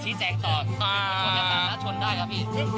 ชี้แจงตอบ